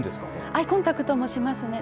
アイコンタクトもしますね。